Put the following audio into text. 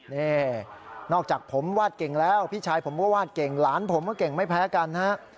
นี่นอกจากผมวาดเก่งแล้วพี่ชายผมก็วาดเก่งหลานผมก็เก่งไม่แพ้กันนะฮะ